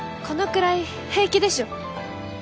このくらい平気でしょ。